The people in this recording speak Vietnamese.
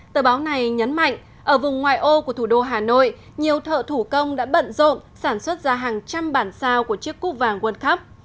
tờ báo này nhấn mạnh ở vùng ngoại ô của thủ đô hà nội nhiều thợ thủ công đã bận rộn sản xuất ra hàng trăm bản sao của chiếc cúp vàng world cup